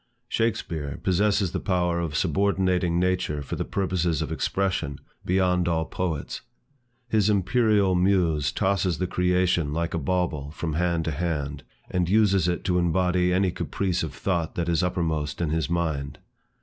Shakspeare possesses the power of subordinating nature for the purposes of expression, beyond all poets. His imperial muse tosses the creation like a bauble from hand to hand, and uses it to embody any caprice of thought that is upper most in his mind.